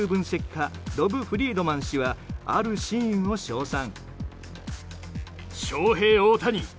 家ロブ・フリードマン氏はあるシーンを称賛。